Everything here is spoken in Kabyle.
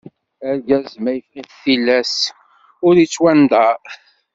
Argaz ma iffeɣ tilas, ur ittwandaṛ.